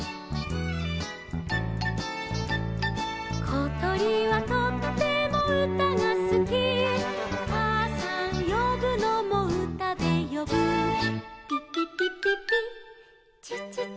「ことりはとってもうたがすき」「かあさんよぶのもうたでよぶ」「ぴぴぴぴぴちちちちち」